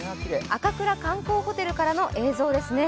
赤倉観光ホテルからの映像ですね。